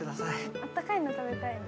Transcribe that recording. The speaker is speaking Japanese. あったかいの食べたいね。